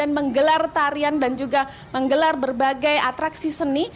dan menggelar tarian dan juga menggelar berbagai atraksi seni